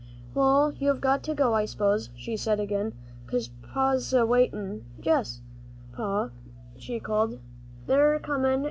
"Well, you've got to go, I s'pose," she said again, "'cause Pa's a waitin'; yes, Pa," she called, "they're a comin'."